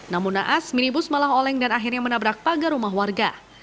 namun naas minibus malah oleng dan akhirnya menabrak pagar rumah warga